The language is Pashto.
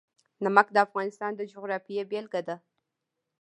نمک د افغانستان د جغرافیې بېلګه ده.